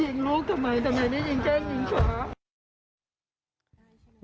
หือถ้าเก็บลูกทำไมทำไมไม่ได้ยิงเจ้ายิงชอบ